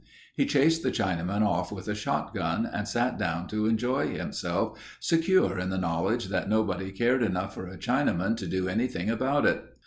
He chased the Chinaman off with a shot gun and sat down to enjoy himself, secure in the knowledge that nobody cared enough for a Chinaman to do anything about it.